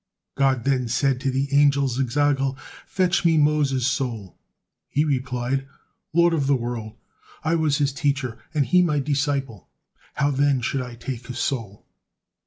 God then said to the angel Zagzagel, "Fetch Me Moses' soul!" He replied, "Lord of the world! I was his teacher and he my disciple, how then should I take his soul!"